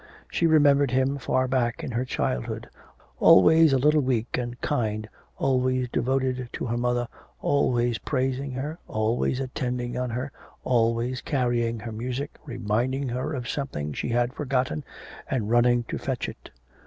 She remembered him far back in her childhood, always a little weak and kind, always devoted to her mother, always praising her, always attending on her, always carrying her music, reminding her of something she had forgotten, and running to fetch it.